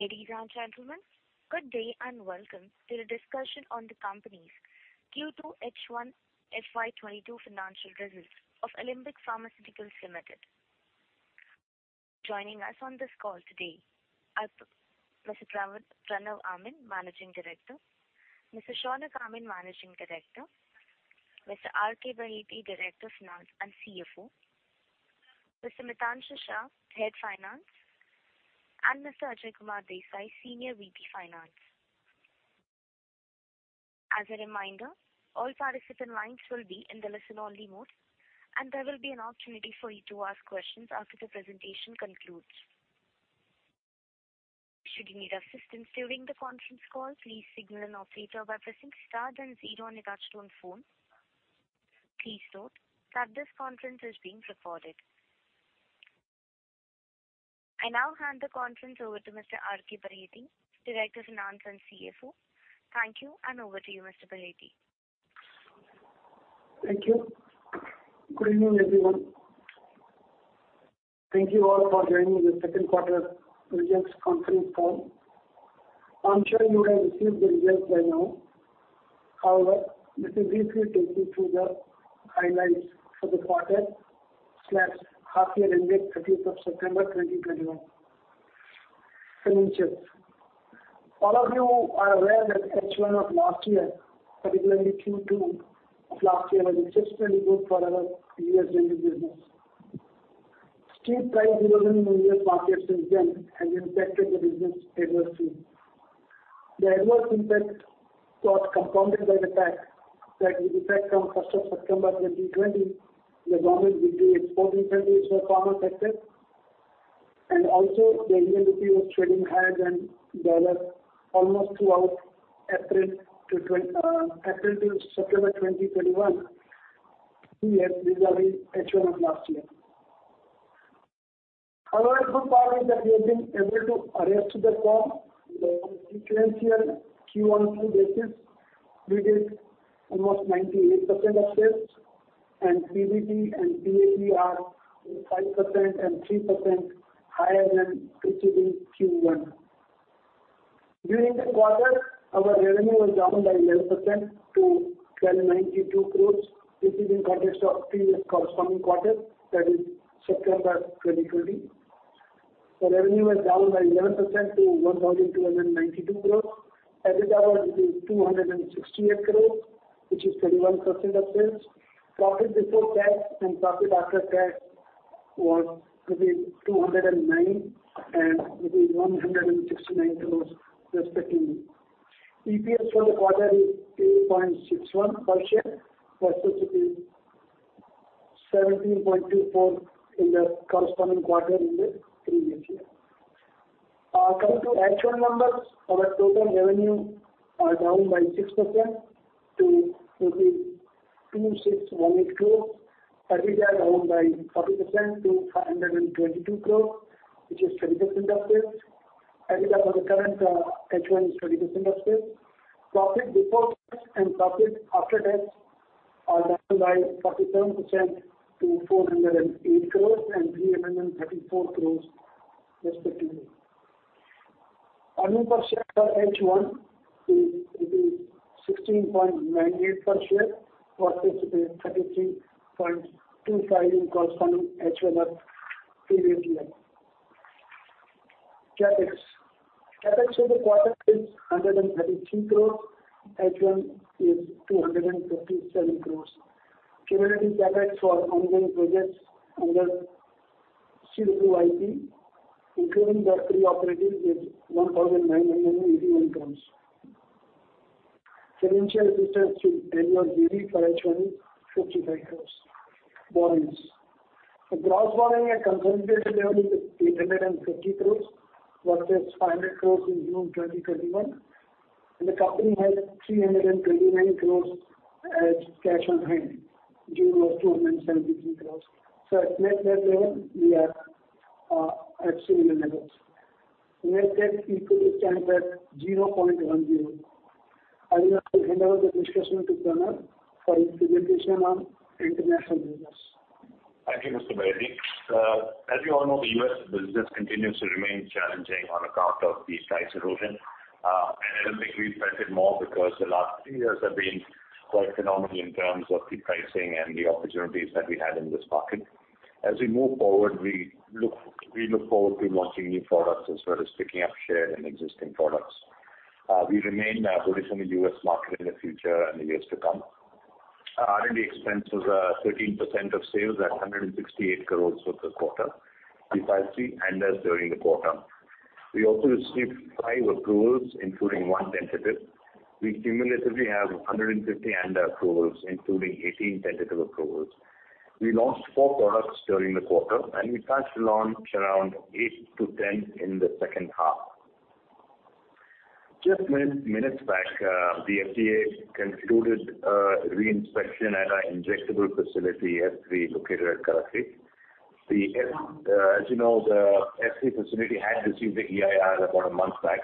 Ladies and gentlemen, good day and welcome to the discussion on the company's Q2, H1 FY 2022 financial results of Alembic Pharmaceuticals Limited. Joining us on this call today are Mr. Pranav Amin, Managing Director; Mr. Shaunak Amin, Managing Director; Mr. R. K. Baheti, Director Finance and CFO; Mr. Mitanshu Shah, Head Finance; and Mr. Ajay Kumar Desai, Senior VP Finance. As a reminder, all participant lines will be in the listen-only mode, and there will be an opportunity for you to ask questions after the presentation concludes. Should you need assistance during the conference call, please signal an operator by pressing star then zero on your touchtone phone. Please note that this conference is being recorded. I now hand the conference over to Mr. R. K. Baheti, Director Finance and CFO. Thank you, and over to you, Mr. Baheti. Thank you. Good evening, everyone. Thank you all for joining the second quarter results conference call. I'm sure you have received the results by now. However, let me briefly take you through the highlights for the quarter/half year ended 30th of September 2021. Financials. All of you are aware that H1 of last year, particularly Q2 of last year, was exceptionally good for our U.S. generic business. Steep price erosion in U.S. market since then has impacted the business adversely. The adverse impact got compounded by the fact that with effect from 1st of September 2020, the government reduced export incentives for pharma sector, and also the Indian rupee was trading higher than dollar almost throughout April to September 2021 vis-à-vis H1 of last year. However, the good part is that we have been able to arrest the fall on a sequential Q1 to basis. We did almost 98% of sales, and PBT and PAT are 5% and 3% higher than achieved in Q1. During the quarter, our revenue was down by 11% to 1,092 crores, which is in context of previous corresponding quarter, that is September 2020. The revenue was down by 11% to 1,292 crores. EBITDA was 268 crores, which is 31% of sales. Profit before tax and profit after tax was maybe 209 crores and maybe 169 crores respectively. EPS for the quarter is 8.61 per share versus the 17.24 in the corresponding quarter in the previous year. Coming to actual numbers, our total revenue are down by 6% to 2,618 crore. EBITDA down by 40% to 522 crore, which is 30% of sales. EBITDA for the current H1 is 30% of sales. Profit before tax and profit after tax are down by 47% to INR 408 crore and 334 crore respectively. Earnings per share for H1 is 16.98 per share versus the 33.25 in corresponding H1 of previous year. CapEx for the quarter is 133 crore. H1 is 237 crore. Cumulative CapEx for ongoing projects under CWIP, including the three operating, is 1,981 crore. Financial return to Aleor JV for H1 is INR 55 crores. Borrowings. The gross borrowing at consolidated level is 850 crores versus 500 crores in June 2021, and the company has 329 crores as cash on hand. June was INR 273 crores. At net-net level, we are at similar levels. Net debt equity stands at 0.10. I'll now hand over the discussion to Pranav for his presentation on international business. Thank you, Mr. Baheti. As you all know, the U.S. business continues to remain challenging on account of the price erosion. We filed more because the last three years have been quite phenomenal in terms of the pricing and the opportunities that we had in this market. As we move forward, we look forward to launching new products as well as picking up share in existing products. We remain bullish on the U.S. market in the future and the years to come. Our R&D expense was 13% of sales at 168 crore for the quarter. We filed three ANDAs during the quarter. We also received five approvals, including one tentative. We cumulatively have 150 ANDA approvals, including 18 tentative approvals. We launched four products during the quarter, and we plan to launch around 8-10 in the second half. Just minutes back, the FDA concluded a re-inspection at our injectable facility, F3, located at Karakhadi. As you know, the F3 facility had received the EIR about a month back.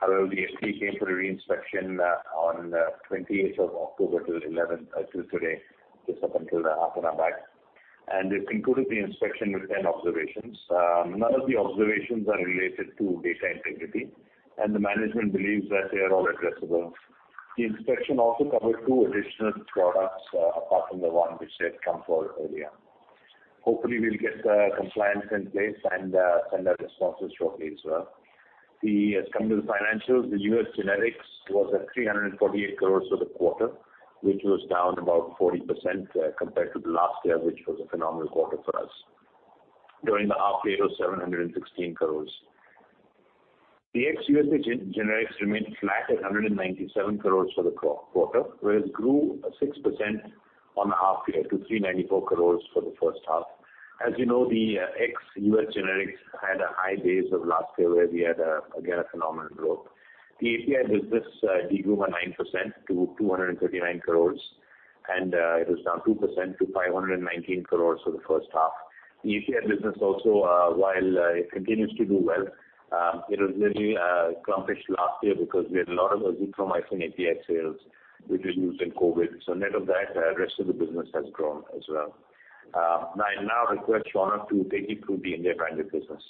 However, the FDA came for a re-inspection on 20th of October till 11th till today, just up until half an hour back. They've concluded the inspection with 10 observations. None of the observations are related to data integrity, and the management believes that they are all addressable. The inspection also covered two additional products apart from the one which they had come for earlier. Hopefully, we'll get the compliance in place and send our responses shortly as well. As coming to the financials, the U.S. generics was at 348 crore for the quarter, which was down about 40%, compared to the last year, which was a phenomenal quarter for us. During the half year it was 716 crore. The ex-U.S. generics remained flat at 197 crore for the quarter, whereas it grew 6% on the half year to 394 crore for the first half. As you know, ex-U.S. generics had a high base of last year where we had again, a phenomenal growth. The API business degrew by 9% to 239 crore, and it was down 2% to 519 crore for the first half. The API business also, while it continues to do well, it was really accomplished last year because we had a lot of azithromycin API sales, which was used in COVID. Net of that, rest of the business has grown as well. I now request Shaunak to take you through the India branded business.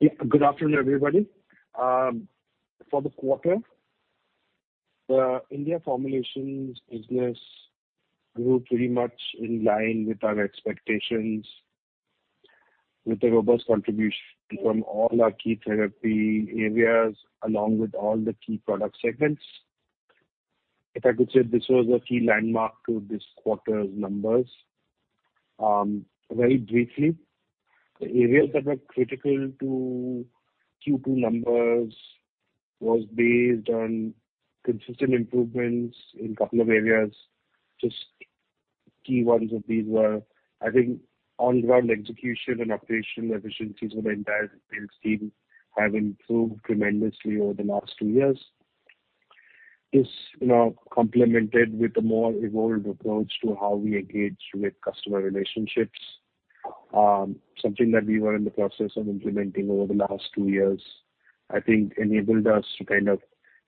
Yeah. Good afternoon, everybody. For the quarter, the India formulations business grew pretty much in line with our expectations with a robust contribution from all our key therapy areas, along with all the key product segments. If I could say this was a key landmark to this quarter's numbers. Very briefly, the areas that were critical to Q2 numbers was based on consistent improvements in a couple of areas. Just key ones of these were, I think, on ground execution and operational efficiencies of the entire sales team have improved tremendously over the last two years. This, you know, complemented with a more evolved approach to how we engage with customer relationships, something that we were in the process of implementing over the last two years, I think enabled us to kind of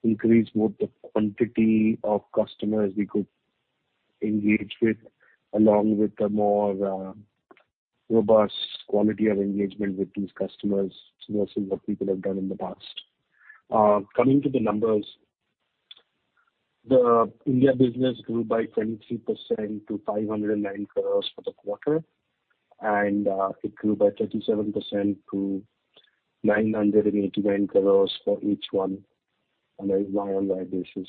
increase both the quantity of customers we could engage with, along with a more robust quality of engagement with these customers to what people have done in the past. Coming to the numbers, the India business grew by 23% to 509 crore for the quarter, and it grew by 37% to 989 crore for H1 on a YoY basis.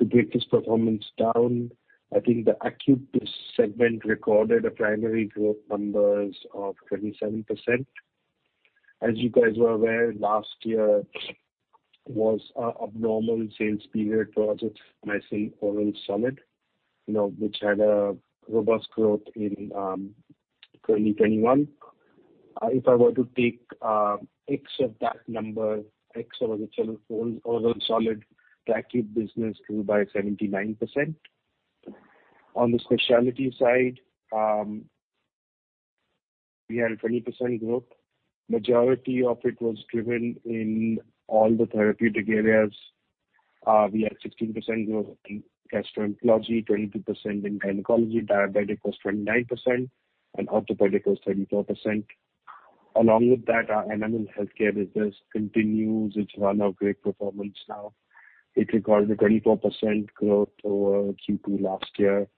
To break this performance down, I think the acute segment recorded a primary growth numbers of 27%. As you guys were aware, last year was an abnormal sales period for its azithromycin oral solid, you know, which had a robust growth in 2021. If I were to take ex of that number, ex of the channel oral solid, the acute business grew by 79%. On the specialty side, we had a 20% growth. Majority of it was driven in all the therapeutic areas. We had 16% growth in gastroenterology, 22% in gynecology, diabetes was 29%, and orthopedics was 34%. Along with that, our animal healthcare business continues its run of great performance now. It recorded a 24% growth over Q2 last year.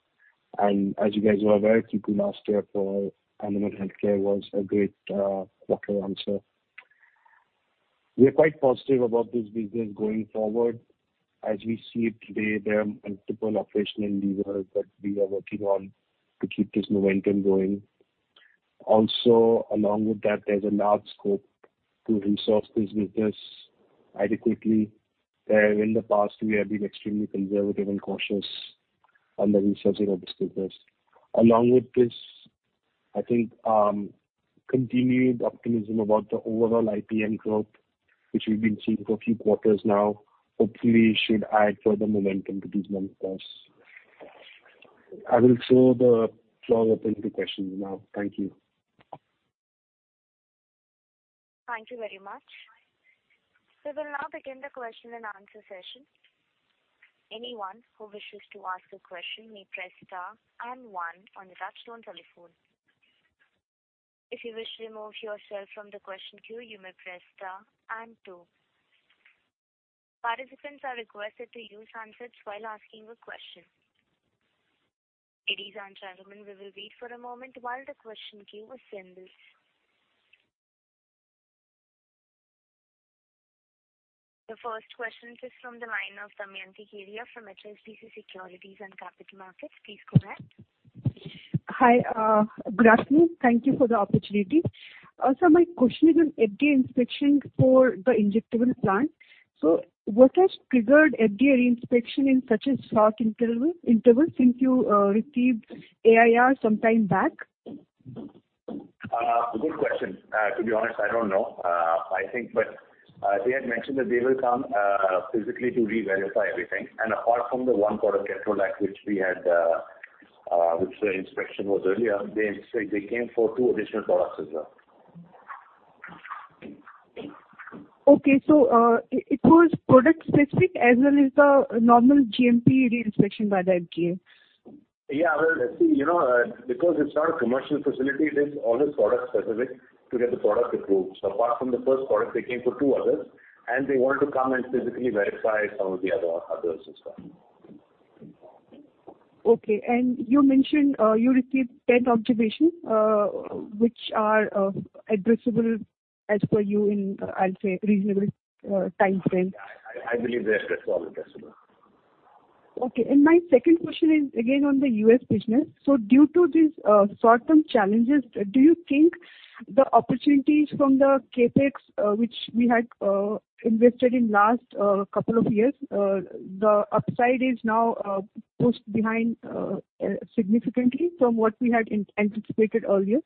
As you guys were aware, Q2 last year for animal healthcare was a great quarter also. We are quite positive about this business going forward. As we see it today, there are multiple operational levers that we are working on to keep this momentum going. Also along with that, there's a large scope to resource this business adequately. Where in the past we have been extremely conservative and cautious on the resourcing of this business. Along with this, I think, continued optimism about the overall IPM growth, which we've been seeing for a few quarters now, hopefully should add further momentum to these numbers. I will throw the floor open to questions now. Thank you. Thank you very much. We will now begin the question and answer session. Anyone who wishes to ask a question may press star and one on his touchtone telephone. If you wish to remove yourself from the question queue, you may press star and two. Participants are requested to use handsets while asking a question. Ladies and gentlemen, we will wait for a moment while the question queue assembles. The first question is from the line of Damayanti Kerai from HSBC Securities and Capital Markets. Please go ahead. Hi. Good afternoon. Thank you for the opportunity. My question is on FDA inspection for the injectable plant. What has triggered FDA re-inspection in such a short interval since you received EIR some time back? Good question. To be honest, I don't know. I think, but they had mentioned that they will come physically to re-verify everything. Apart from the one product, ketorolac, which the inspection was earlier. They came for two additional products as well. Okay. It was product specific as well as the normal GMP re-inspection by the FDA? Well, see, you know, because it's not a commercial facility, it is always product specific to get the product approved. Apart from the first product, they came for two others, and they wanted to come and physically verify some of the other stuff. Okay. You mentioned you received 10 observations, which are addressable as per you in, I'll say, reasonable timeframe. I believe they're all addressable. Okay. My second question is again on the U.S. business. Due to these short-term challenges, do you think the opportunities from the CapEx, which we had invested in last couple of years, the upside is now pushed behind significantly from what we had anticipated earlier?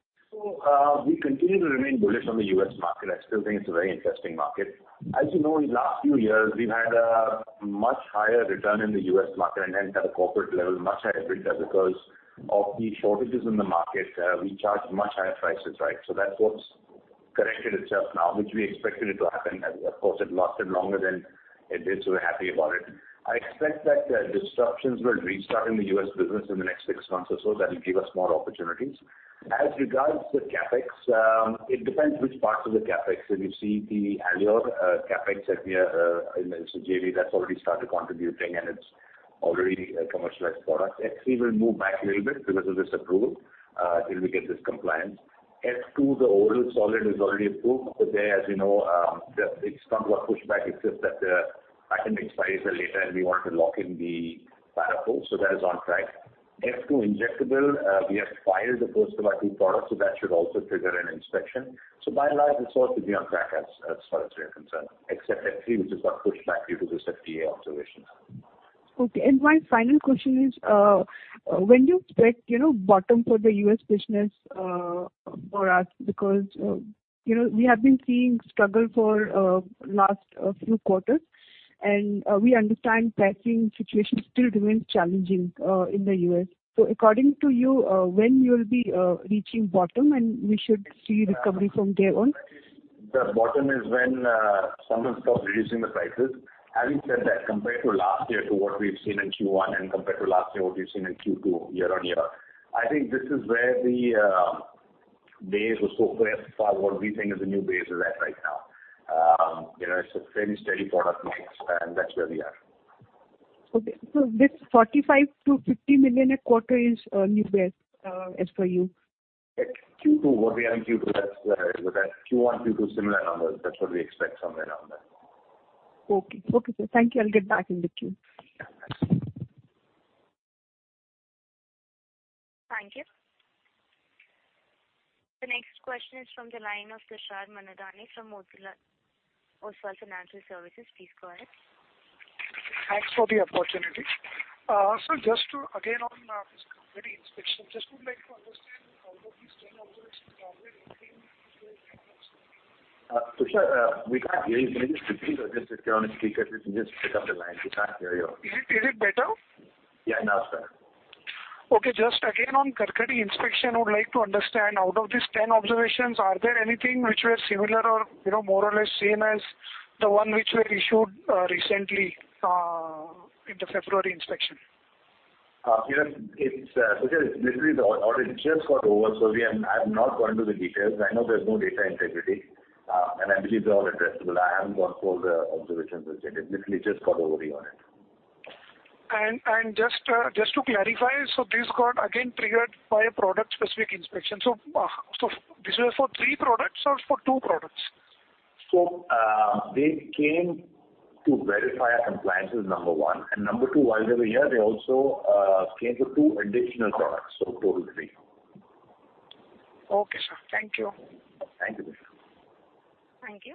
We continue to remain bullish on the U.S. market. I still think it's a very interesting market. As you know, in the last few years, we've had a much higher return in the U.S. market and then at a corporate level, much higher EBITDA because of the shortages in the market. We charged much higher prices, right? That's what's corrected itself now, which we expected it to happen. Of course, it lasted longer than it did, so we're happy about it. I expect that disruptions will restart in the U.S. business in the next six months or so. That will give us more opportunities. As regards to CapEx, it depends which parts of the CapEx. If you see the Aleor CapEx that we are in the JV, that's already started contributing and it's already a commercialized product. F3 will move back a little bit because of this approval, till we get this compliance. F2, the oral solid is already approved. There, as you know, it's not about pushback, it's just that, patent expires later and we want to lock in the platform. That is on track. F2 injectable, we have filed the first of our two products, so that should also trigger an inspection. By and large, it's all to be on track as far as we are concerned, except F3, which has got pushed back due to this FDA observations. Okay. My final question is, when do you expect, you know, bottom for the U.S. business, for us? Because, you know, we have been seeing struggle for last few quarters. We understand pricing situation still remains challenging in the U.S. According to you, when you'll be reaching bottom and we should see recovery from there on? The bottom is when someone stops reducing the prices. Having said that, compared to last year to what we've seen in Q1 and compared to last year, what we've seen in Q2 year-on-year, I think this is where the base or so where what we think is the new base is at right now. You know, it's a very steady product mix, and that's where we are. Okay. This $45 million-$50 million a quarter is a new base, as per you? Q2, what we earn Q2, that's where Q1, Q2 similar numbers. That's what we expect, somewhere around that. Okay. Okay, sir. Thank you. I'll get back in the queue. Thank you. The next question is from the line of Tushar Manudhane from Motilal Oswal Financial Services. Please go ahead. Thanks for the opportunity. Sir, again on this Karakhadi inspection, just would like to understand all of these 10 observations. Tushar, we can't hear you. Can you just repeat or just if you're on a speaker, could you just pick up the line? We can't hear you. Is it better? Yeah, now it's better. Okay. Just again on Karakhadi inspection, I would like to understand out of these 10 observations, are there anything which were similar or, you know, more or less same as the one which were issued, recently, in the February inspection? You know, it's Tushar, literally the audit just got over. I'm not going into the details. I know there's no data integrity, and I believe they're all addressable. I haven't gone through all the observations as yet. It literally just got over, the audit. Just to clarify, this got again triggered by a product-specific inspection. This was for three products or for two products? They came to verify our compliance is number one. Number two, while they were here, they also came for two additional products, so total three. Okay, sir. Thank you. Thank you. Thank you.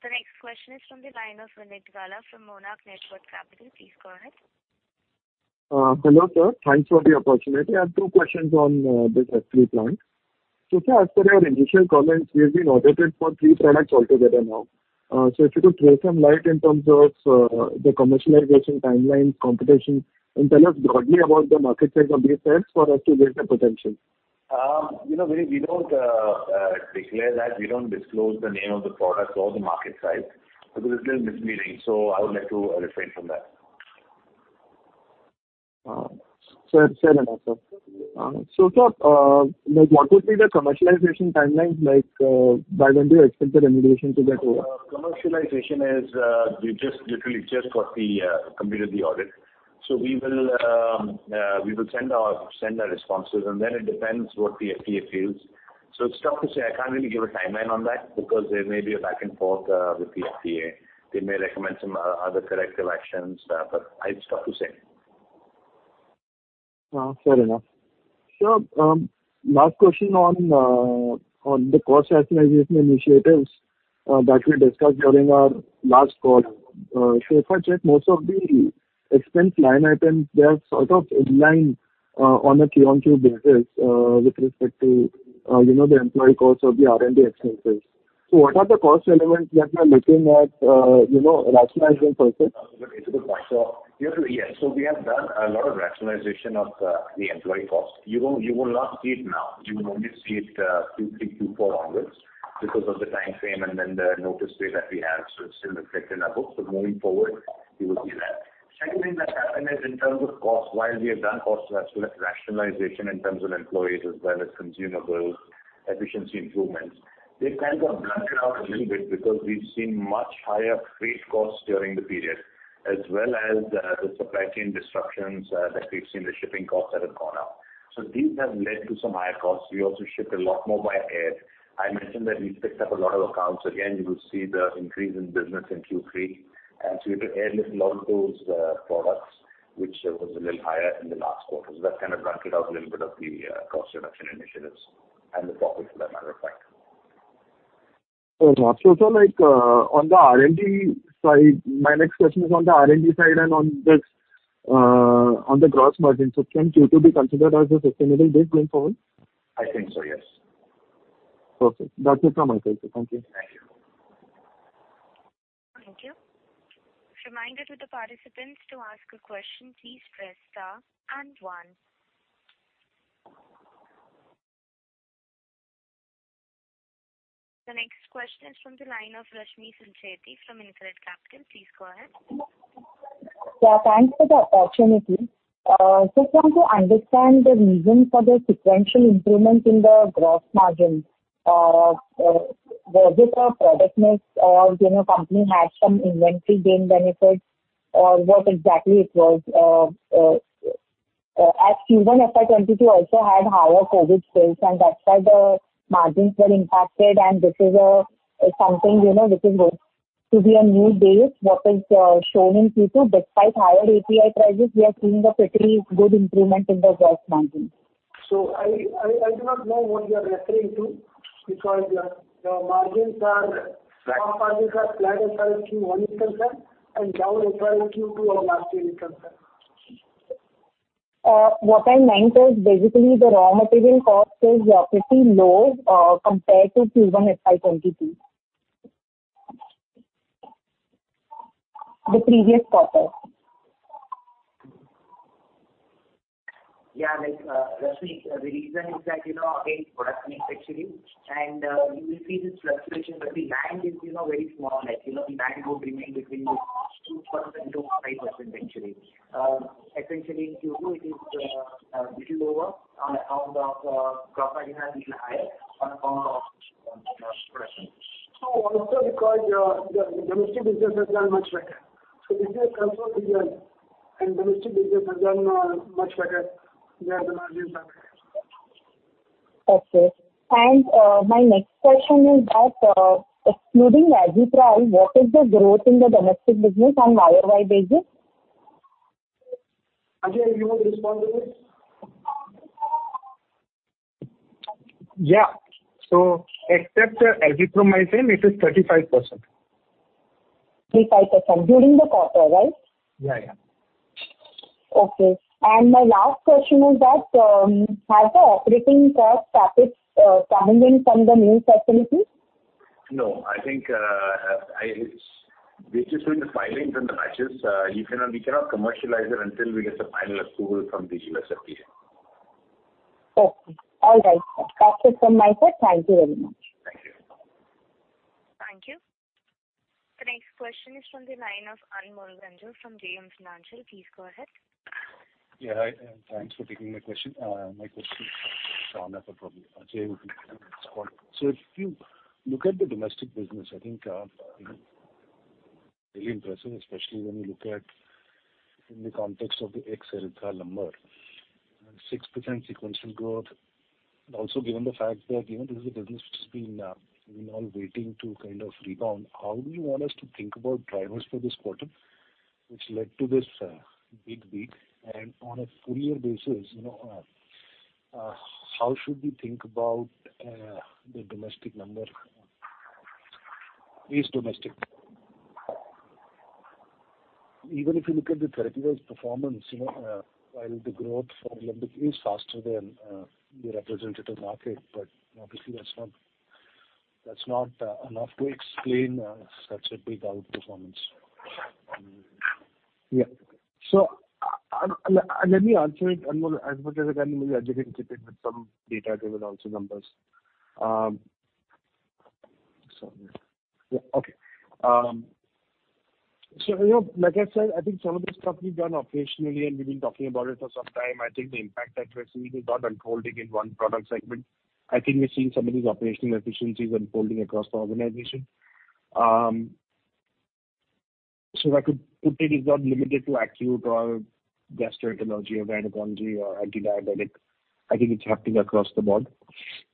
The next question is from the line of Vineet Gala from Monarch Networth Capital. Please go ahead. Hello sir. Thanks for the opportunity. I have two questions on this F3 plant. Sir, as per your initial comments, we have been audited for three products altogether now. If you could throw some light in terms of the commercialization timelines, competition, and tell us broadly about the market size of these sales for us to gauge the potential. You know, Vineet, we don't declare that. We don't disclose the name of the products or the market size because it's a little misleading, so I would like to refrain from that. Fair enough, sir. Sir, like what would be the commercialization timeline, like, by when do you expect the remediation to get over? Commercialization is. We just literally completed the audit. We will send our responses and then it depends what the FDA feels. It's tough to say. I can't really give a timeline on that because there may be a back and forth with the FDA. They may recommend some other corrective actions. It's tough to say. Fair enough. Sir, last question on the cost optimization initiatives that we discussed during our last call. If I check most of the expense line items, they are sort of in line on a QoQ basis with respect to you know, the employee costs or the R&D expenses. What are the cost elements that you are looking at, you know, rationalizing purpose? That's a good point. Yeah. We have done a lot of rationalization of the employee cost. You won't, you will not see it now. You will only see it Q3, Q4 onwards because of the time frame and then the notice period that we have. It's still reflected in our books, but moving forward you will see that. Second thing that happened is in terms of cost, while we have done cost rationalization in terms of employees as well as consumables, efficiency improvements, they've kind of blunted out a little bit because we've seen much higher freight costs during the period as well as the supply chain disruptions that we've seen the shipping costs that have gone up. These have led to some higher costs. We also ship a lot more by air. I mentioned that we've picked up a lot of accounts. Again, you will see the increase in business in Q3, and so we had to airlift a lot of those products, which was a little higher in the last quarter. That kind of blunted out a little bit of the cost reduction initiatives and the profit for that matter of fact. On the R&D side, my next question is on the R&D side and on this, on the gross margin. Can Q2 be considered as a sustainable base going forward? I think so, yes. Perfect. That's it from my side, sir. Thank you. Thank you. Thank you. Reminder to the participants to ask a question, please press star and one. The next question is from the line of Rashmi Sancheti from InCred Capital. Please go ahead. Yeah, thanks for the opportunity. Just want to understand the reason for the sequential improvement in the gross margin. Was it a product mix or, you know, company had some inventory gain benefits or what exactly it was? As Q1 FY 2022 also had higher COVID sales, and that's why the margins were impacted. This is something, you know, which is going to be a new base. What is shown in Q2, despite higher API prices, we are seeing a pretty good improvement in the gross margin. I do not know what you are referring to because the margins are, gross margins are flat as far as Q1 is concerned and down as far as Q2 overall margin is concerned. What I meant is basically the raw material cost is pretty low compared to Q1 FY 2022. The previous quarter. Yeah. Like, Rashmi, the reason is that, you know, again, product mix actually, and you will see this fluctuation, but the band is, you know, very small. Like, you know, the band would remain between 2%-5% actually. Essentially in Q2 it is a little lower on account of profit enhancement is higher on account of gross margin. Also because the domestic business has done much better. This is a chronic business and domestic business has done much better there, the margins are higher. My next question is that, excluding Azithral, what is the growth in the domestic business on YoY basis? Ajay, you want to respond to this? Except azithromycin, it is 35%. 35% during the quarter, right? Yeah, yeah. Okay. My last question is that has the operating cost started coming in from the new facility? No, I think it's in the filings and the batches. We cannot commercialize it until we get the final approval from the U.S. FDA. Okay. All right, sir. That's it from my side. Thank you very much. Thank you. Thank you. The next question is from the line of Anmol Ganjoo from JM Financial. Please go ahead. Hi, thanks for taking my question. My question is for Shaunak, but probably Ajay also please respond. If you look at the domestic business, I think, you know, really impressive, especially when you look at in the context of the ex-Azithral number, 6% sequential growth. Also given the fact that, you know, this is a business which has been, you know, waiting to kind of rebound, how do you want us to think about drivers for this quarter which led to this, big beat? On a full year basis, you know, how should we think about, the domestic number? Even if you look at the therapy wise performance, you know, while the growth for Alembic is faster than, the representative market, but obviously that's not enough to explain, such a big outperformance. Yeah. Let me answer it, Anmol, as much as I can. Maybe Ajay can chip in with some data driven also numbers. You know, like I said, I think some of the stuff we've done operationally, and we've been talking about it for some time, I think the impact that we're seeing is not unfolding in one product segment. I think we're seeing some of these operational efficiencies unfolding across the organization. If I could put it's not limited to acute or gastroenterology or gynecology or anti-diabetic. I think it's happening across the board.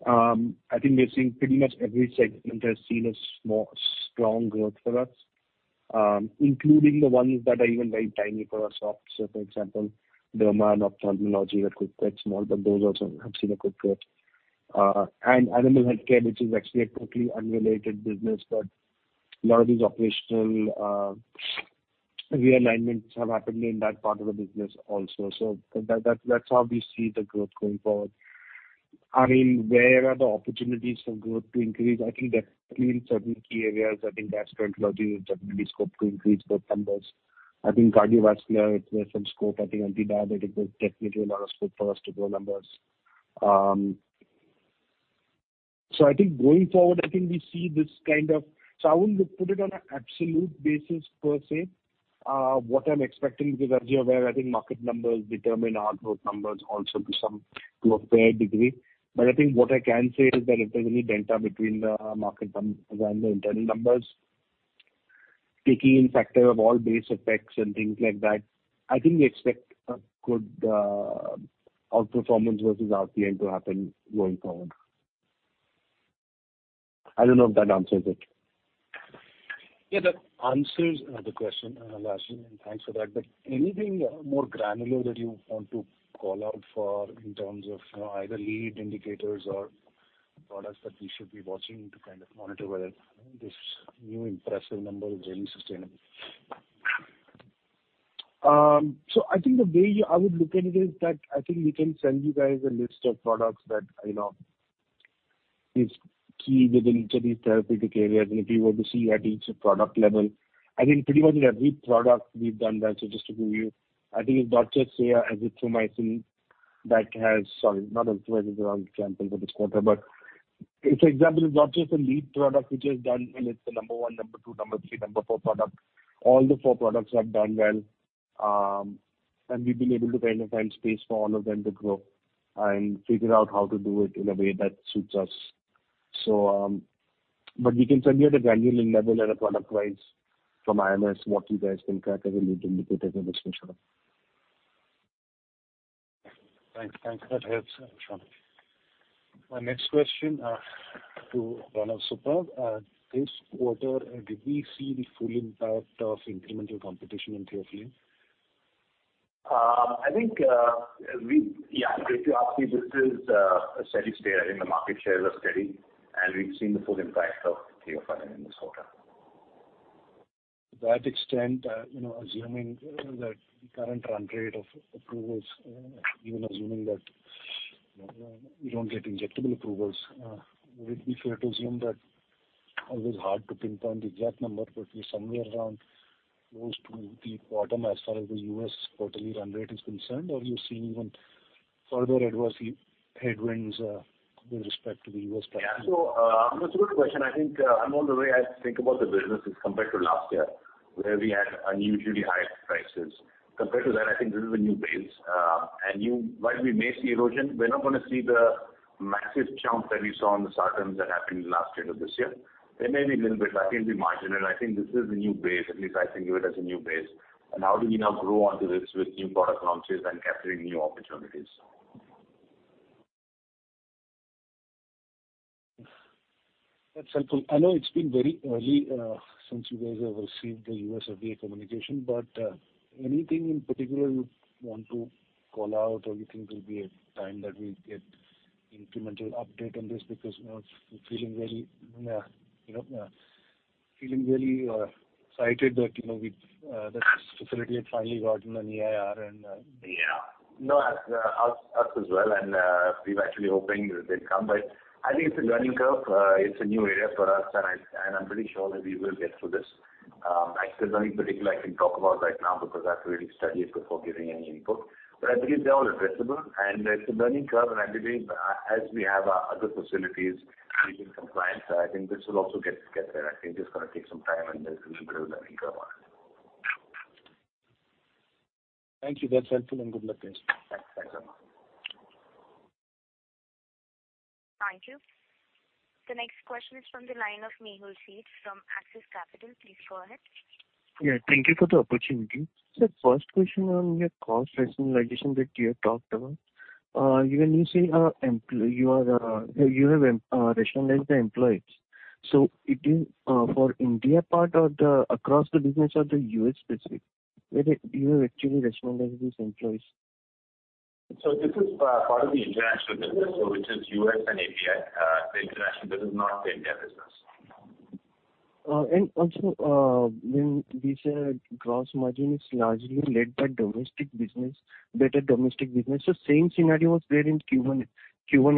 I think we're seeing pretty much every segment has seen a small strong growth for us, including the ones that are even very tiny for us. For example, derma and ophthalmology were quite small, but those also have seen a good growth. Animal healthcare, which is actually a totally unrelated business, but a lot of these operational realignment have happened in that part of the business also. That's how we see the growth going forward. I mean, where are the opportunities for growth to increase? I think that certainly in certain key areas, I think gastroenterology will definitely scope to increase both numbers. I think cardiovascular there's some scope. I think anti-diabetic, there's definitely a lot of scope for us to grow numbers. I think going forward, I think we see this kind of. I wouldn't put it on an absolute basis per se, what I'm expecting because as you're aware, I think market numbers determine our growth numbers also to a fair degree. I think what I can say is that if there's any delta between the market numbers and the internal numbers, taking into account all base effects and things like that, I think we expect a good outperformance versus RPM to happen going forward. I don't know if that answers it. Yeah, that answers the question largely, thanks for that. Anything more granular that you want to call out for in terms of, you know, either lead indicators or products that we should be watching to kind of monitor whether this new impressive number is really sustainable? I think the way I would look at it is that I think we can send you guys a list of products that, you know, is key within each of these therapeutic areas. If you were to see at each product level, I think pretty much in every product we've done well. Just to give you, I think it's azithromycin that has... Sorry, not azithromycin, the wrong example for this quarter. The example is not just a lead product which has done well, it's the number one, number two, number three, number four product. All the four products have done well, and we've been able to kind of find space for all of them to grow and figure out how to do it in a way that suits us. We can send you at a granular level, product-wise, from IMS what you guys can track as a lead indicator for this measure. Thanks. That helps, Shaunak. My next question to Pranav. This quarter, did we see the full impact of incremental competition in theophylline? I think if you ask me, this is a steady state. I think the market shares are steady, and we've seen the full impact of theophylline in this quarter. To that extent, assuming that the current run rate of approvals, even assuming that we don't get injectable approvals, would it be fair to assume that although it's hard to pinpoint the exact number, but we're somewhere around close to the bottom as far as the U.S. quarterly run rate is concerned or you're seeing even further adverse headwinds, with respect to the U.S. platform? That's a good question. I think Anmol, the way I think about the business is compared to last year where we had unusually high prices. Compared to that, I think this is a new base. While we may see erosion, we're not gonna see the massive chunk that we saw on the sartans that happened in the last quarter this year. There may be a little bit, but I think it's marginal. I think this is the new base. At least I think of it as a new base. How do we now grow onto this with new product launches and capturing new opportunities. That's helpful. I know it's been very early since you guys have received the U.S. FDA communication, but anything in particular you want to call out or you think will be a time that we get incremental update on this? Because, you know, I'm feeling very excited that, you know, that this facility had finally gotten an EIR. Yeah. No, us as well, and we were actually hoping that they'd come. But I think it's a learning curve. It's a new area for us, and I'm pretty sure that we will get through this. I think there's nothing particular I can talk about right now because I have to really study it before giving any input. But I believe they're all addressable, and it's a learning curve. I believe as we have our other facilities in compliance, I think this will also get there. I think it's gonna take some time, and this is a real learning curve on it. Thank you. That's helpful, and good luck guys. Thanks. Thanks Anmol. Thank you. The next question is from the line of Mehul Sheth from Axis Capital. Please go ahead. Yeah, thank you for the opportunity. First question on your cost rationalization that you have talked about. When you say you have rationalized the employees. It is for India part or across the business or the U.S. specific, where you have actually rationalized these employees? This is part of the international business, so which is U.S. and API, the international business, not the India business. When we say gross margin is largely led by domestic business, better domestic business. Same scenario was there in Q1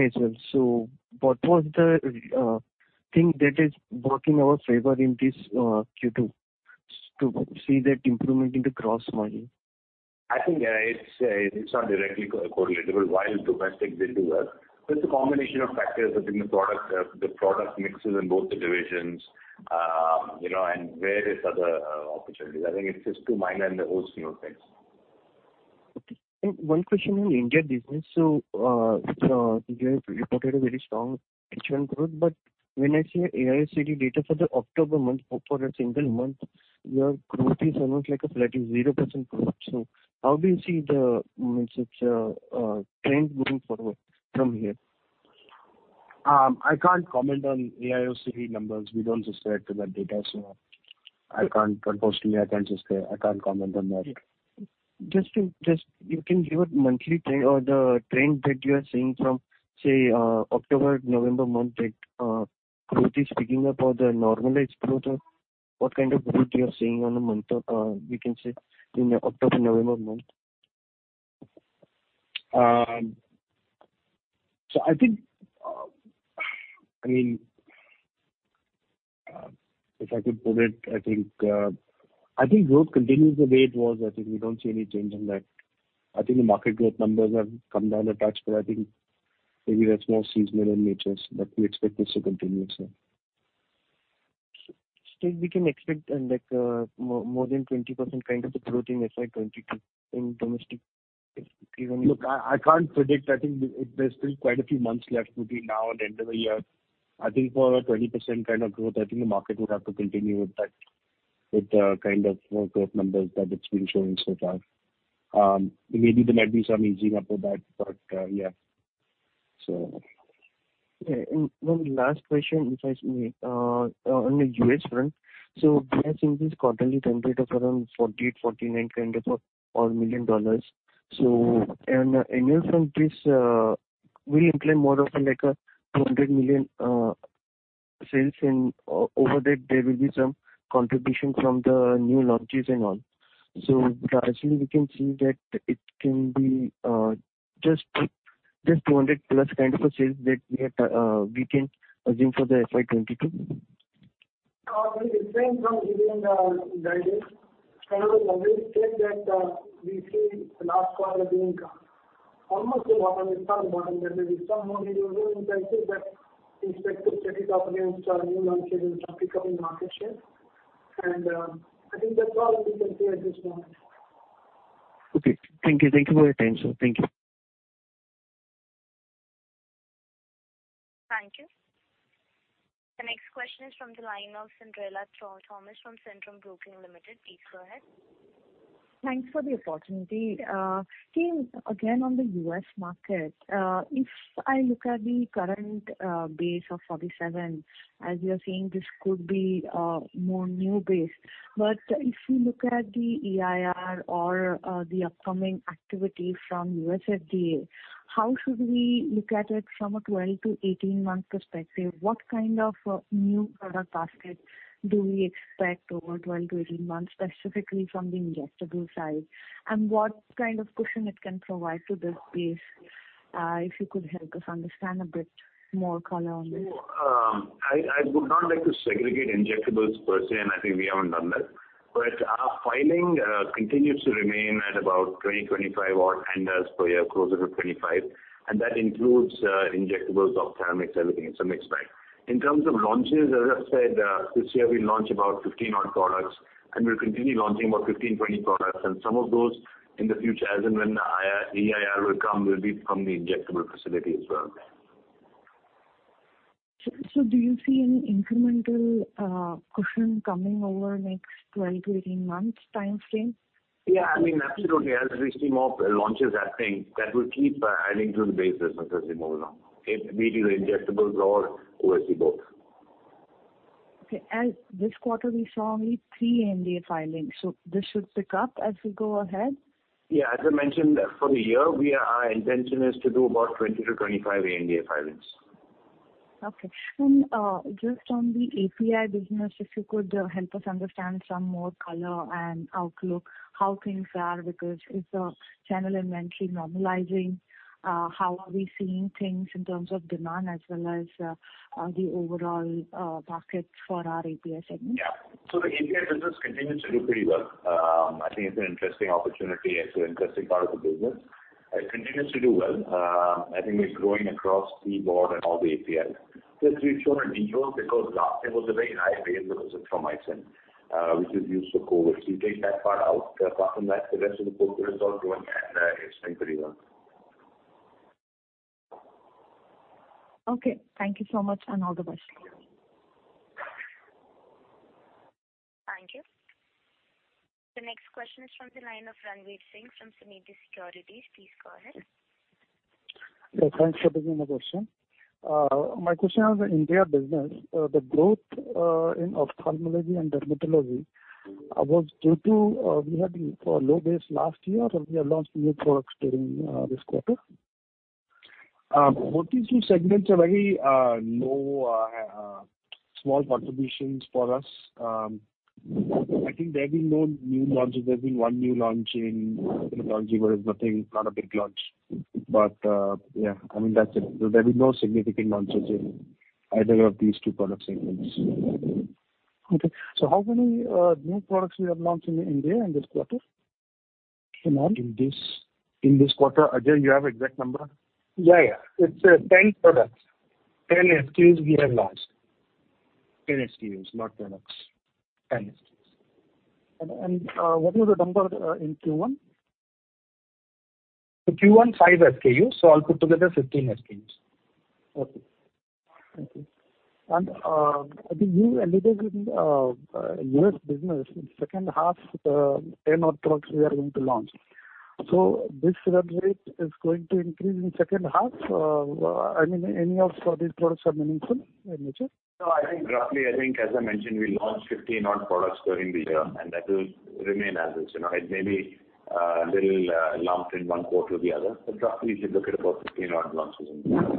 as well. What was the thing that is working our favor in this Q2 to see that improvement in the gross margin? I think it's not directly correlatable. While domestic did well, there's a combination of factors within the product, the product mixes in both the divisions, you know, and various other opportunities. I think it's just too minor in the whole scheme of things. One question on India business. You have reported a very strong insulin growth, but when I see AIOCD data for the October month, for a single month, your growth is almost like a flat, is 0% growth. How do you see the, I mean, such trend going forward from here? I can't comment on AIOCD numbers. We don't subscribe to that data, so I can't. Per policy, I can't just say, I can't comment on that. Just, you can give a monthly trend or the trend that you are seeing from, say, October, November month that growth is picking up or the normalized growth or what kind of growth you are seeing on a month or, we can say in October, November month? I think, I mean, if I could put it, I think growth continues the way it was. I think we don't see any change in that. I think the market growth numbers have come down a touch, but I think maybe that's more seasonal in nature, but we expect this to continue, sir. We can expect, like, more than 20% kind of a growth in FY 2022 in domestic even? Look, I can't predict. I think there's still quite a few months left between now and the end of the year. I think for a 20% kind of growth, I think the market would have to continue with that, with the kind of growth numbers that it's been showing so far. Maybe there might be some easing up of that, but yeah. Okay. One last question if I may. On the U.S. front, I think this quarterly template of around $48 million-$49 million. On the annual front, this will imply more of a like $200 million sales and over that there will be some contribution from the new launches and all. Actually we can see that it can be just $200 miillion+ kind of a sales that we have, we can assume for the FY 2022? We refrain from giving the guidance. I will always say that, we see the last quarter being almost the bottom. If not the bottom, there may be some more erosion, but I think that we expect to set it up against our new launches and some pickup in market share. I think that's all we can say at this point. Okay. Thank you. Thank you for your time, sir. Thank you. Thank you. The next question is from the line of Cyndrella Thomas from Centrum Broking Limited. Please go ahead. Thanks for the opportunity. Team, again, on the U.S. market, if I look at the current base of $47 million, as you are saying, this could be more new base. If you look at the EIR or the upcoming activity from USFDA, how should we look at it from a 12-18 month perspective? What kind of new product basket do we expect over 12-18 months, specifically from the injectable side? And what kind of cushion it can provide to this base? If you could help us understand a bit more color on this. I would not like to segregate injectables per se, and I think we haven't done that. Our filing continues to remain at about 20-25 odd ANDAs per year, closer to 25, and that includes injectables, ophthalmics, everything. It's a mixed bag. In terms of launches, as I've said, this year we launched about 15 odd products, and we'll continue launching about 15-20 products. Some of those in the future, as and when EIR will come, will be from the injectable facility as well. Do you see any incremental cushion coming over next 12-18 months time frame? Yeah, I mean, absolutely. As we see more launches happening, that will keep adding to the base business as we move along. It be it injectables or OSC both. Okay. This quarter we saw only three ANDA filings, so this should pick up as we go ahead? Yeah. As I mentioned, for the year, our intention is to do about 20-25 ANDA filings. Just on the API business, if you could help us understand some more color and outlook, how things are, because is the channel inventory normalizing? How are we seeing things in terms of demand as well as the overall pockets for our API segment? Yeah. The API business continues to do pretty well. I think it's an interesting opportunity. It's an interesting part of the business. It continues to do well. I think we're growing across the board and all the APIs. Just we've shown a decline because last year was a very high base because it was from [azithromycin], which is used for COVID. You take that part out, apart from that, the rest of the portfolio is all growing and, it's doing pretty well. Okay. Thank you so much, and all the best. Thank you. The next question is from the line of Ranvir Singh from Sunidhi Securities. Please go ahead. Yeah, thanks for taking the question. My question on the India business. The growth in ophthalmology and dermatology was due to, we had low base last year, or we have launched new products during this quarter? Both these two segments are very low, small contributions for us. I think there have been no new launches. There's been one new launch in dermatology, but it's nothing, not a big launch. Yeah, I mean, that's it. There'll be no significant launches in either of these two product segments. Okay. How many new products we have launched in India in this quarter? In all. In this quarter? Ajay, you have exact number? Yeah, yeah. It's 10 products. 10 SKUs we have launched. 10 SKUs, not products. 10 SKUs. What was the number in Q1? Q1, five SKUs, so all put together 15 SKUs. Okay. Thank you. I think you alluded in U.S. business in second half, 10 odd products we are going to launch. This rev rate is going to increase in second half? I mean, any of these products are meaningful in nature? No, I think roughly, I think as I mentioned, we launched 15 odd products during the year, and that will remain as is. You know, it may be little lumped in one quarter or the other, but roughly you should look at about 15 odd launches in the year.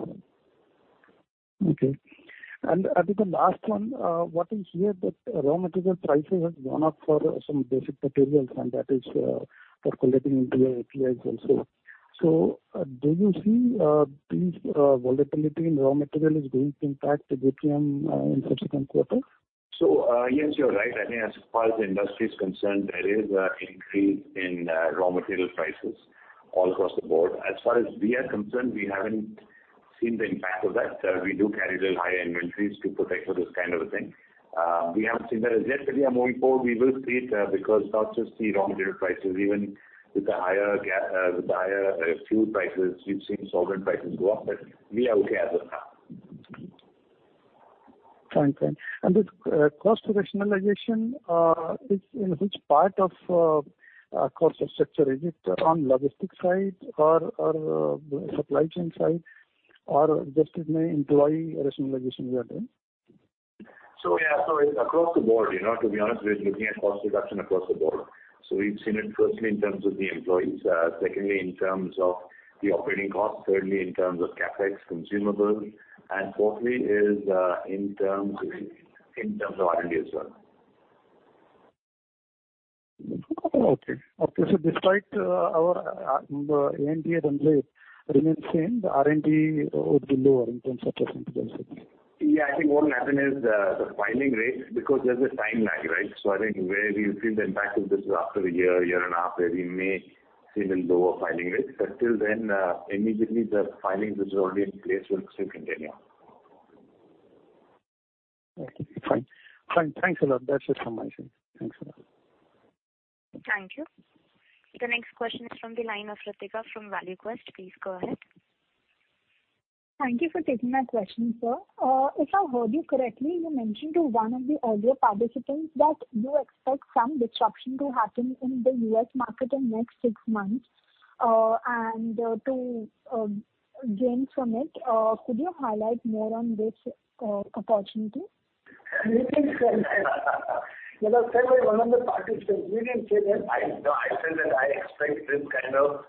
Okay. I think the last one, what we hear that raw material prices has gone up for some basic materials, and that is percolating into your APIs also. Do you see this volatility in raw material is going to impact the GPM in subsequent quarters? Yes, you're right. I think as far as the industry is concerned, there is increase in raw material prices all across the board. As far as we are concerned, we haven't seen the impact of that. We do carry a little higher inventories to protect for this kind of a thing. We haven't seen that as yet, but yeah, moving forward, we will see it, because not just the raw material prices, even with the higher fuel prices, we've seen solvent prices go up, but we are okay as of now. Fine. This cost rationalization is in which part of our cost structure? Is it on logistics side or the supply chain side, or just maybe employee rationalization you are doing? It's across the board, you know. To be honest, we're looking at cost reduction across the board. We've seen it firstly in terms of the employees, secondly in terms of the operating costs, thirdly in terms of CapEx consumables, and fourthly in terms of R&D as well. The NPL remains the same. The R&D would be lower in terms of percentage? Yeah. I think what will happen is, the filing rate, because there's a time lag, right? I think where we'll feel the impact of this is after a year and a half, where we may see a little lower filing rates. Till then, immediately the filings which are already in place will still continue. Okay. Fine. Thanks a lot. That's just from my side. Thanks a lot. Thank you. The next question is from the line of Ritika from ValueQuest. Please go ahead. Thank you for taking my question, sir. If I heard you correctly, you mentioned to one of the earlier participants that you expect some disruption to happen in the U.S. market in next six months, and to gain from it. Could you highlight more on this opportunity? That was said by one of the participants. We didn't say that. No, I said that I expect this kind of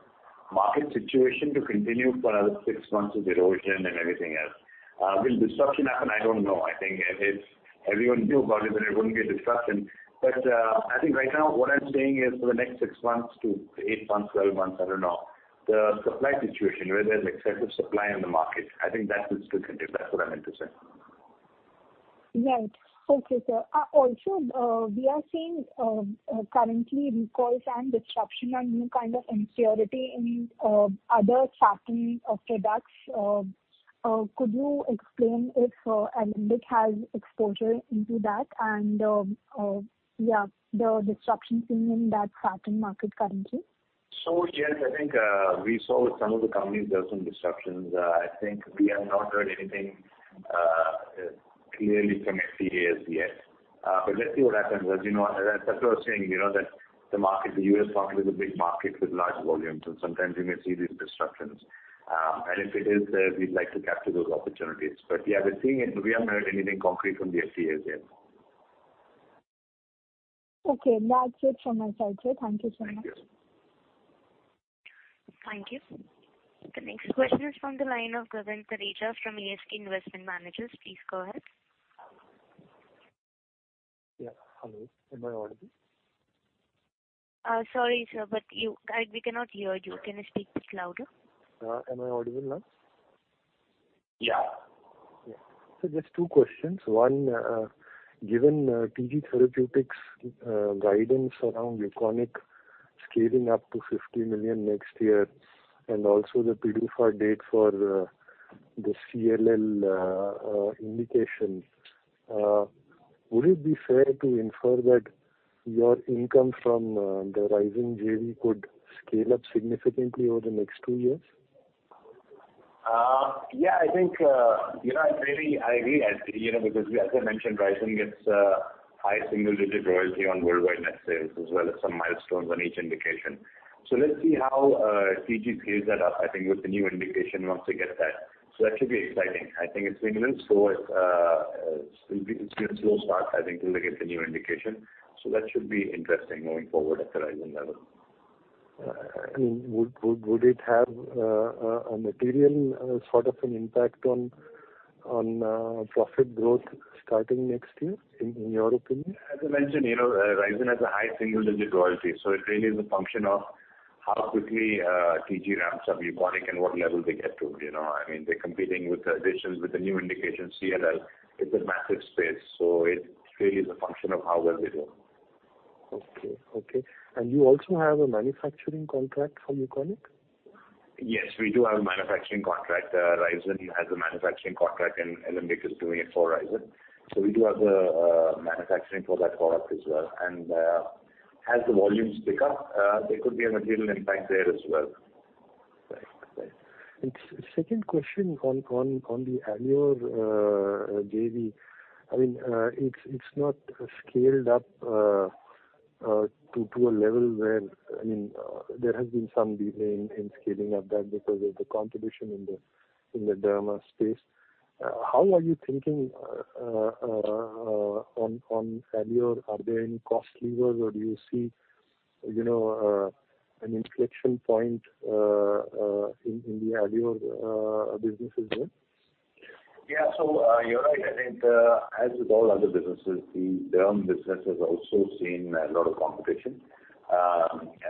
market situation to continue for another six months with erosion and everything else. Will disruption happen? I don't know. I think if everyone knew about it, then it wouldn't be a disruption. I think right now what I'm saying is for the next six months to eight months, 12 months, I don't know, the supply situation where there's excessive supply in the market, I think that will still continue. That's what I meant to say. Right. Okay, sir. Also, we are seeing currently recalls and disruption and new kind of inferiority in other category of products. Could you explain if Alembic has exposure into that and yeah, the disruption seen in that category market currently? Yes, I think we saw with some of the companies there were some disruptions. I think we have not heard anything clearly from FDA yet. Let's see what happens. As you know, as I was saying, you know that the market, the U.S. market is a big market with large volumes, and sometimes you may see these disruptions. If it is there, we'd like to capture those opportunities. Yeah, we're seeing it, but we haven't heard anything concrete from the FDA yet. Okay. That's it from my side, sir. Thank you so much. Thank you. The next question is from the line of Gagan Thareja from ASK Investment Managers. Please go ahead. Yeah. Hello, am I audible? Sorry, sir, but we cannot hear you. Can you speak a bit louder? Am I audible now? Yeah. Yeah. Just two questions. One, given TG Therapeutics guidance around Ukoniq scaling up to $50 million next year and also the PDUFA date for the CLL indication, would it be fair to infer that your income from the Rhizen JV could scale up significantly over the next two years? Yeah. I think, you know, really I agree, as you know, because as I mentioned, Rhizen gets high single-digit royalty on worldwide net sales as well as some milestones on each indication. Let's see how TG scales that up, I think with the new indication once they get that. That should be exciting. I think it's been a little slow. It's been a slow start I think till they get the new indication. That should be interesting moving forward at the Rhizen level. Would it have a material sort of an impact on profit growth starting next year in your opinion? As I mentioned, you know, Rhizen has a high single-digit royalty, so it really is a function of how quickly TG ramps up Ukoniq and what level they get to. You know, I mean, they're competing with additions with the new indication CLL. It's a massive space, so it really is a function of how well they do. Okay. You also have a manufacturing contract for Ukoniq? Yes, we do have a manufacturing contract. Rhizen has a manufacturing contract, and Alembic is doing it for Rhizen. We do have manufacturing for that product as well. As the volumes pick up, there could be a material impact there as well. Second question on the Aleor JV. I mean, it's not scaled up to a level where, I mean, there has been some delay in scaling up that because of the contribution in the derma space. How are you thinking on Aleor? Are there any cost levers, or do you see, you know, an inflection point in the Aleor businesses there? Yeah. You're right. I think, as with all other businesses, the derm business has also seen a lot of competition,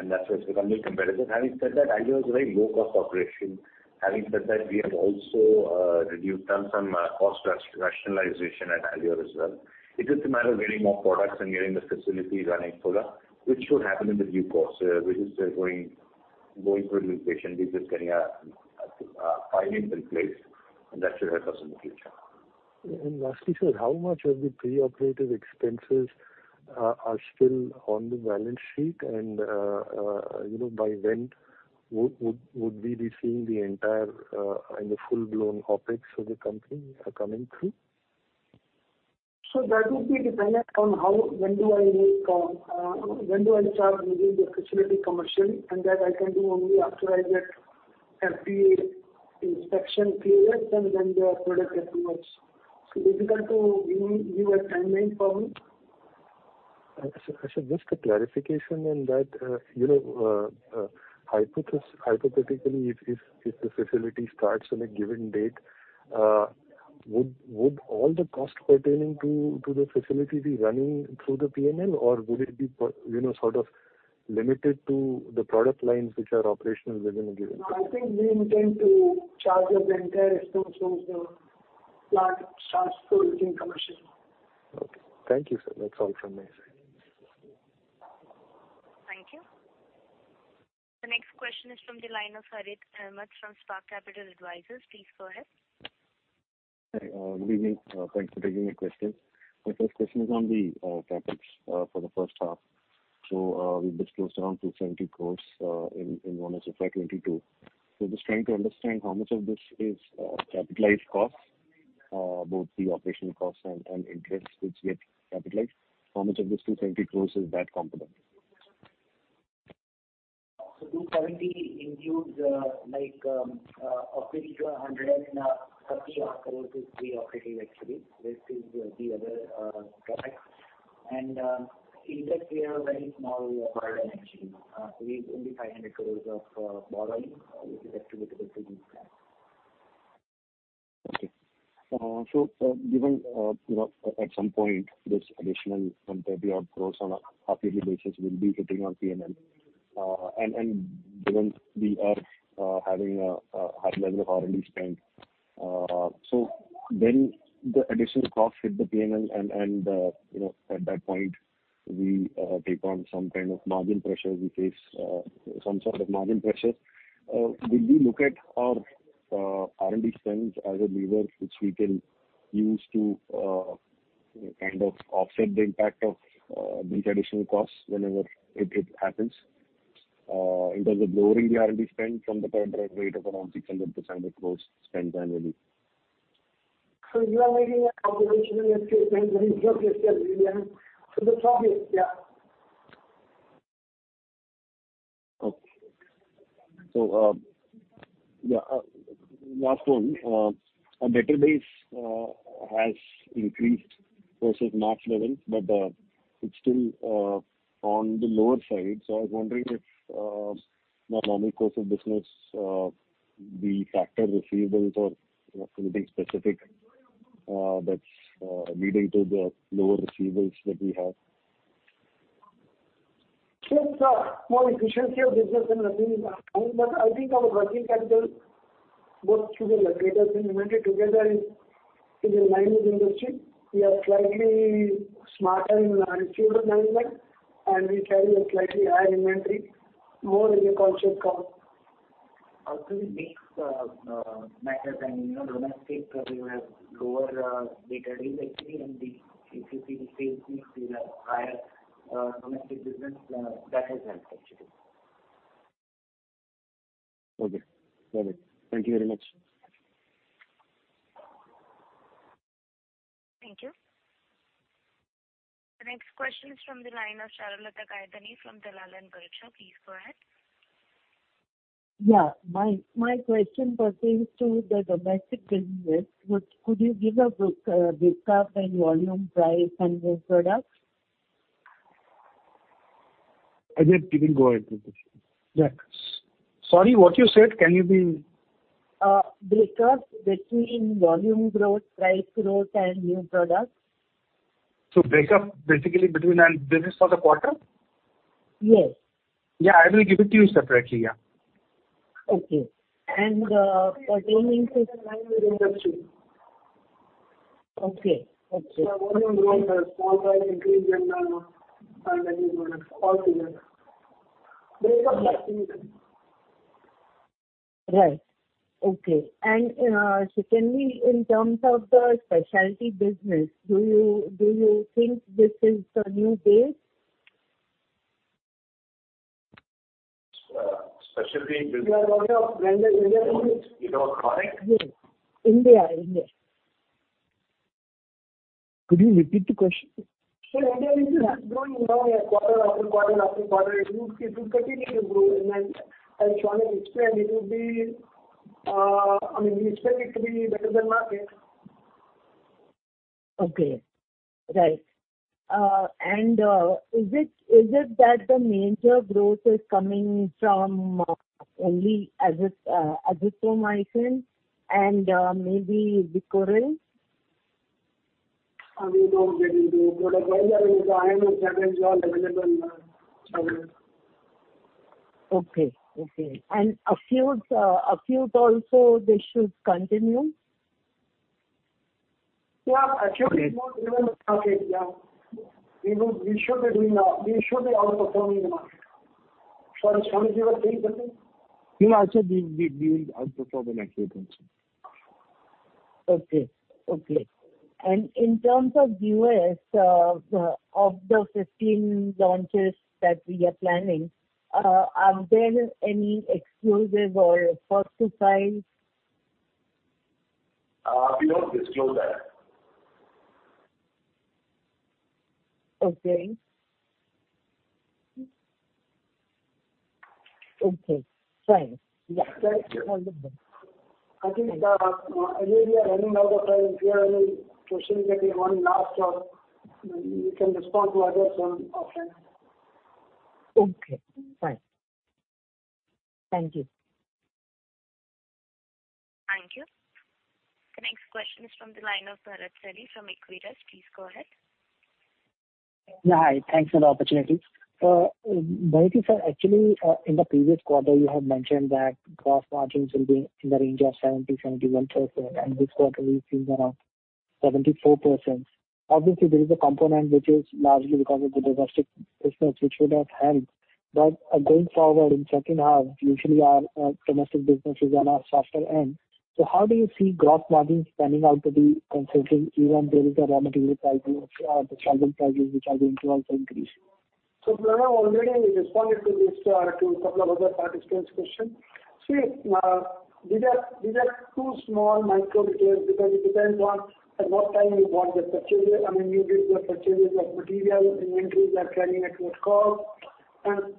and that's why it's becoming competitive. Having said that, Aleor is a very low-cost operation. Having said that, we have also done some cost rationalization at Aleor as well. It is a matter of getting more products and getting the facility running further, which should happen in due course. We're just going through the patient visits, getting filings in place, and that should help us in the future. Lastly, sir, how much of the pre-operative expenses are still on the balance sheet? You know, by when would we be seeing the entire and the full-blown OpEx of the company coming through? That would be dependent on when do I start making the facility commercial, and that I can do only after I get FDA inspection clearance and then the product approvals. Difficult to give you a timeline for me. Just a clarification on that. You know, hypothetically, if the facility starts on a given date, would all the costs pertaining to the facility be running through the P&L or would it be, you know, sort of limited to the product lines which are operational within a given time? I think we intend to charge the entire expenditure the plant starts going commercial. Okay. Thank you, sir. That's all from my side. Thank you. The next question is from the line of Harith Ahamed from Spark Capital Advisors. Please go ahead. Hi, good evening. Thanks for taking my question. My first question is on the CapEx for the first half. We disclosed around 270 crore in 1H of FY 2022. Just trying to understand how much of this is capitalized costs, both the operational costs and interest which get capitalized. How much of this 270 crore is that component? INR 270 crore includes, like, of which INR 130-odd crore is pre-operative actually. The rest is the other products. Interest, we have a very small requirement actually. We have only 500 crore of borrowing, which is attributable to this plant. Okay. Given you know at some point this additional some 30-odd crores on a half-yearly basis will be hitting our P&L. Given we are having a high level of R&D spend, when the additional costs hit the P&L and you know at that point we take on some kind of margin pressure we face some sort of margin pressure. Will we look at our R&D spends as a lever which we can use to kind of offset the impact of these additional costs whenever it happens? In terms of lowering the R&D spend from the current rate of around 600% of gross spend annually. Last one. Our debtor base has increased versus March levels, but it's still on the lower side. I was wondering if normal course of business the factor receivables or, you know, something specific that's leading to the lower receivables that we have. It's more efficiency of business and nothing in that. I think our working capital, both through the debtors and inventory together is in line with the industry. We are slightly smarter in our [inventory] management, and we carry a slightly higher inventory. More is a cultural call. Also, it makes matters. You know, domestic, we have lower debtor days actually. We, if you see the sales mix, we have higher domestic business. That has helped actually. Okay. Got it. Thank you very much. Thank you. The next question is from the line of Charulata Gaidhani from Dalal & Broacha. Please go ahead. Yeah. My question pertains to the domestic business. What could you give a breakup and volume, price, and new products? Ajay, you can go ahead with this. Yeah. Sorry, what you said? Can you be? Breakup between volume growth, price growth and new products. Breakup basically between India business for the quarter? Yes. Yeah, I will give it to you separately. Yeah. Okay. Right. Okay. Can we, in terms of the specialty business, do you think this is a new base? Specialty business. You are talking of branded India business? Yes. India. Could you repeat the question please? India business is growing now, year-on-year, quarter after quarter after quarter. It will continue to grow and then as shown in history, and it will be, I mean, we expect it to be better than market. Okay. Right. Is it that the major growth is coming from only azithromycin and maybe Wikoryl? We don't get into product-wise. I mean, IMS data is all available out there. Okay. Acute also they should continue? Yeah. Acute is more relevant market. Yeah. We should be outperforming the market. Sorry, Shaunak, you were saying something? No. I said we will outperform in Acute also. Okay. In terms of U.S., of the 15 launches that we are planning, are there any exclusives or first to file? We don't disclose that. Okay. Okay, fine. Yeah. Thank you. Wonderful. I think, maybe we are running out of time. If there are any questions, maybe one last or you can respond to others offline. Okay. Fine. Thank you. Thank you. The next question is from the line of Bharat Celly from Equirus. Please go ahead. Yeah. Hi. Thanks for the opportunity. Baheti sir, actually, in the previous quarter, you had mentioned that gross margins will be in the range of 70%-71%, and this quarter we've seen around 74%. Obviously, there is a component which is largely because of the domestic business which would have helped. Going forward in second half, usually our domestic business is on our softer end. How do you see gross margins panning out to be considering even there is a raw material pricing or the solvent prices which are going to also increase? Bharat, already we responded to this, to a couple of other participants' question. See, these are too small micro details because it depends on at what time you bought the purchase. I mean, you did the purchases of material, inventories are carrying at what cost. 2%-3%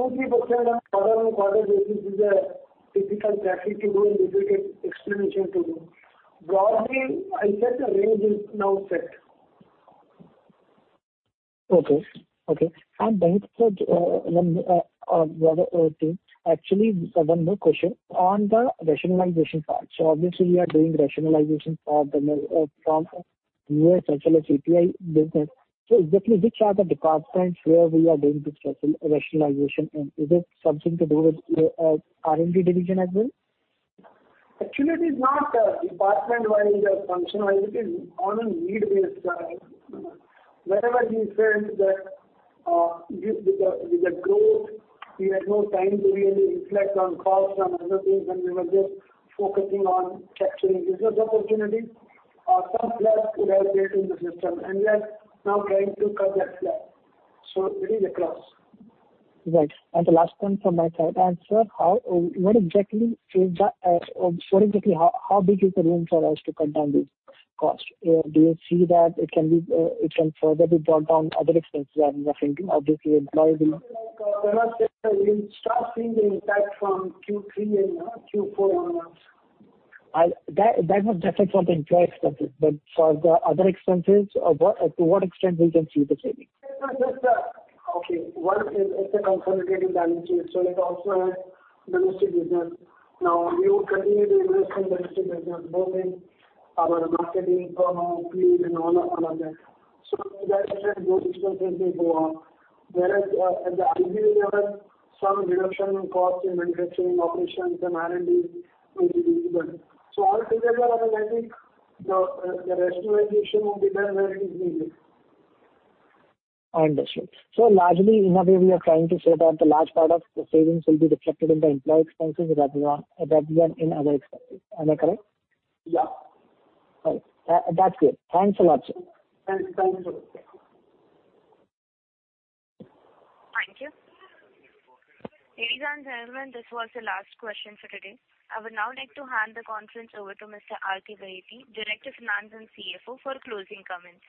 on quarter-on-quarter basis is a difficult trajectory to do and difficult explanation to do. Broadly, I'll set the range is now set. Okay. Baheti sir, actually one more question. On the rationalization part, obviously you are doing rationalization from the U.S. as well as API business. Exactly which are the departments where we are doing this rationalization? Is it something to do with R&D division as well? Actually, it is not, department-wise or function-wise. It is on a need-based, wherever we felt that, with the growth, we had no time to really reflect on costs, on other things, and we were just focusing on capturing business opportunity. Some slack was created in the system, and we are now trying to cut that slack. It is across. Right. The last one from my side. Sir, what exactly how big is the room for us to cut down these costs? Do you see that it can further be brought down other expenses rather than thinking obviously employee- Bharat, we'll start seeing the impact from Q3 and Q4 onwards. That was just for the employee expenses. For the other expenses, to what extent we can see the savings? Okay. One is it's a consolidated balance sheet, so it also has domestic business. Now, we will continue to invest in domestic business, both in our marketing promo piece and all of that. To that extent, those expenses will go up. Whereas at the R&D level, some reduction in cost in manufacturing operations and R&D will be visible. Altogether, I think the rationalization will be there where it is needed. Understood. Largely, in a way, we are trying to say that the large part of the savings will be reflected in the employee expenses rather than in other expenses. Am I correct? Yeah. All right. That, that's good. Thanks a lot, sir. Thanks. Thank you. Thank you. Ladies and gentlemen, this was the last question for today. I would now like to hand the conference over to Mr. R.K. Baheti, Director Finance and CFO, for closing comments.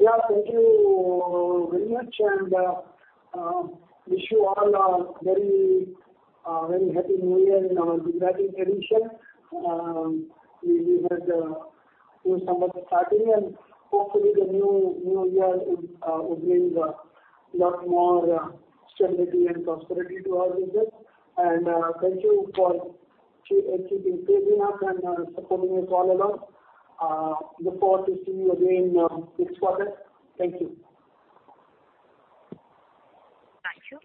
Yeah, thank you very much and wish you all a very happy new year in our Gujarati tradition. We had starting and hopefully the new year will bring a lot more stability and prosperity to our business. Thank you for keeping faith in us and supporting us all along. Look forward to seeing you again next quarter. Thank you. Thank you.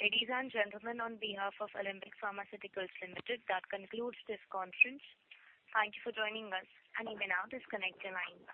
Ladies and gentlemen, on behalf of Alembic Pharmaceuticals Limited, that concludes this conference. Thank you for joining us. You may now disconnect your lines.